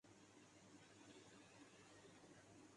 کبھی اسکو پیر صاحب کا نام دیا گیا